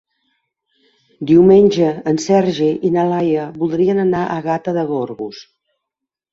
Diumenge en Sergi i na Laia voldrien anar a Gata de Gorgos.